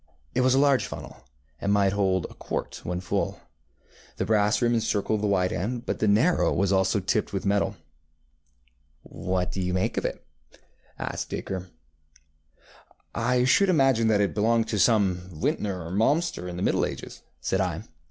It was a large funnel, and might hold a quart when full. The brass rim encircled the wide end, but the narrow was also tipped with metal. ŌĆ£What do you make of it? ŌĆØ asked Dacre. ŌĆ£I should imagine that it belonged to some vintner or maltster in the middle ages, ŌĆØ said I.